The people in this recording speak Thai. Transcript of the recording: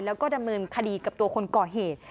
แล้วก็ดำเนินคดีกับตัวคนก่อเหตุ